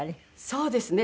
そうですね。